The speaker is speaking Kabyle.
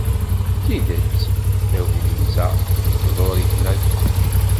D tidet, tagnit-a tḍurr-iten akk.